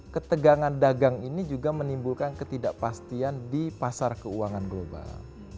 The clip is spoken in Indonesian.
ketegangan dagang ini juga menimbulkan ketidakpastian di pasar keuangan global